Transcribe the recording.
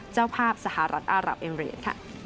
เจ้าภาพสหรัฐอารับเอมเรียน